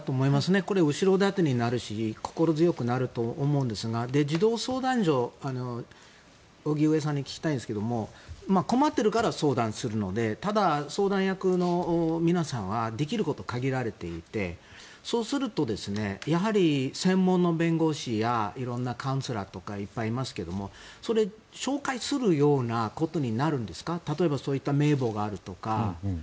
これ、後ろ盾になるし心強くなると思うんですが児童相談所荻上さんに聞きたいんですが困っているから相談するのでただ、相談役の皆さんはできることは限られていて、そうするとやはり専門の弁護士やいろいろなカウンセラーとかいっぱいいますが紹介するようなことになるんですか？例えばそういった名簿があるとか。